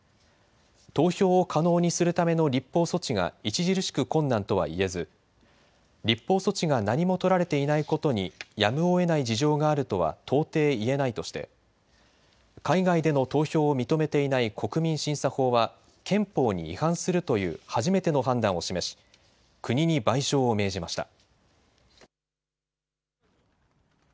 投票を可能にするための立法措置が著しく困難とはいえず立法措置が何も取られていないことにやむをえない事情があるとは到底いえないとして海外での投票を認めていない国民審査法は憲法に違反するという初めての判断を示し国に賠償を命じました。